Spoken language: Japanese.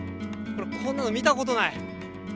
こんなの見たことない。